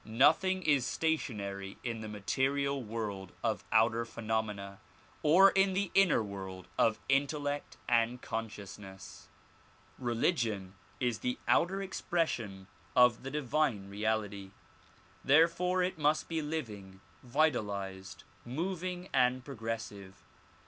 Nothing is station ary in the material world of outer phenomena or in the inner world of intellect and consciousness. Religion is the outer expression of the divine reality. Therefore it must be living, vitalized, moving and progressive.